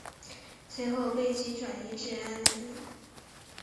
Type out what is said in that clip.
随后其被转移至南安普敦并渡过英吉利海峡抵达法国瑟堡。